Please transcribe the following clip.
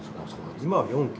今は４軒。